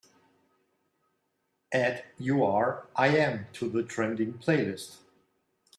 Add you are i am to the trending playlist